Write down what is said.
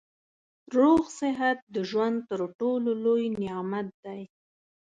روغ صحت د ژوند تر ټولو لوی نعمت دی